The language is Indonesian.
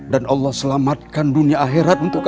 dan allah selamatkan dunia akhirnya ya pak sobri